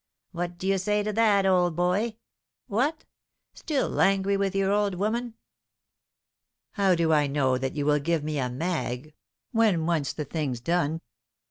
What do you say to that old boy? What! still angry with your old woman?" "How do I know that you will give me a 'mag' when once the thing's done?